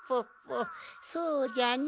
そうじゃのう。